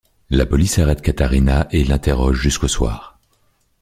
La police arrête Katharina et l’interroge jusqu’au soir.